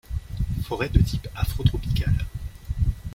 Forêts de type afrotropical.